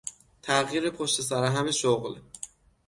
تغییر پشت سرهم شغل